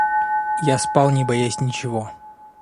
Я спал, не боясь ничего.